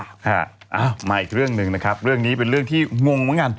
อ่ามาอีกเรื่องหนึ่งนะครับเรื่องนี้เป็นเรื่องที่งงเหมือนกัน